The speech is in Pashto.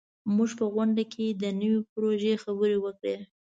موږ په غونډه کې د نوي پروژې خبرې وکړې.